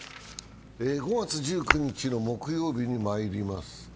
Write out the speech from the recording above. ５月１９日の木曜日にまいります。